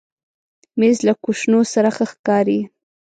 مېز له کوشنو سره ښه ښکاري.